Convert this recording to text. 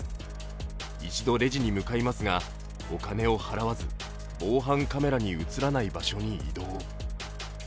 一度レジに向かいますが、お金を払わず防犯カメラに映らない場所に移動。